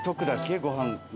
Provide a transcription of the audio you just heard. ご飯。